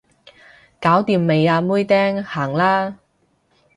搞掂未啊妹釘，行啦